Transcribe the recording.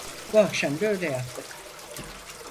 Bu akşam da öyle yaptık.